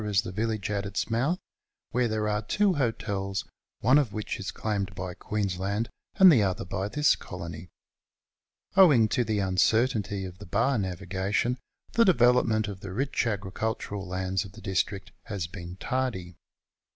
Coolougatta is the village at its mouth, where there are two hotels, one of which is claimed by Queensland and the other by this Colony. Owing to the uncertainty of the bar navigation the development of the rich agricul tural lands of the district has been tardy.